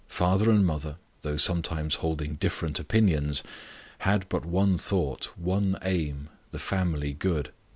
Father and mother, though sometimes holding different opinions, had but one thought, one aim the family good.